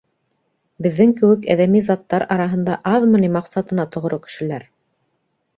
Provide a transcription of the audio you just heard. Беҙҙең кеүек әҙәми заттар араһында аҙмы ни маҡсатына тоғро кешеләр?